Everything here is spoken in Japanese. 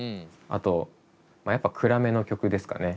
あとやっぱ暗めの曲ですかね。